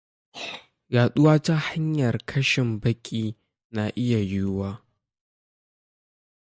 Yaɗuwa ta hanyar kashil–baki na iya yiwuwa